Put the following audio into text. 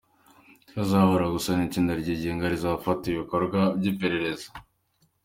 Ko azahura gusa n'itsinda ryigenga rizafata ibikorwa by'iperereza.